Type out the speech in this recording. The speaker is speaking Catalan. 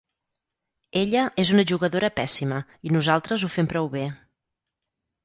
Ella és una jugadora pèssima, i nosaltres ho fem prou bé.